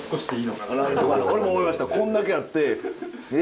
こんだけあって「え？」